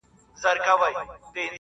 ته كه له ښاره ځې پرېږدې خپــل كــــــور.